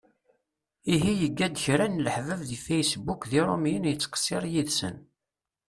Ihi yega-d kra n leḥbab di Facebook d iṛumyen yettqessiṛ yid-sen.